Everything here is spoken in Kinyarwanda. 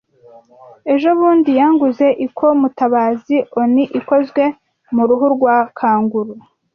Ejobundi yanguze ikoMutabazi oni ikozwe mu ruhu rwa kanguru.